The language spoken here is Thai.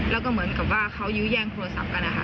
แล้วก็เหมือนกับว่าเขายื้อแย่งโทรศัพท์กันนะคะ